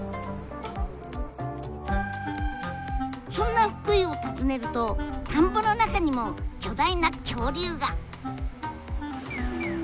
そんな福井を訪ねると田んぼの中にも巨大な恐竜が！